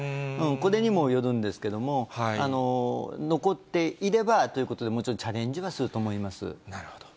これにもよるんですけれども、残っていればということで、もちろん、チャレンジはすると思なるほど。